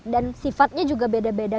dan sifatnya juga beda beda